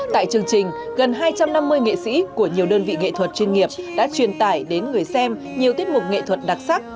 tại chương trình gần hai trăm năm mươi nghệ sĩ của nhiều đơn vị nghệ thuật chuyên nghiệp đã truyền tải đến người xem nhiều tiết mục nghệ thuật đặc sắc